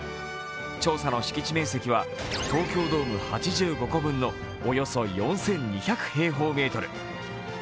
調査の敷地面積は東京ドーム８５個分のおよそ４２００平方メートル。